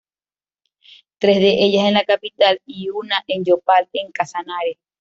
Tres de ellas en la capital y una en Yopal, en Casanare.